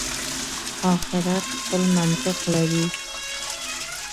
آخرت خپل منطق لري.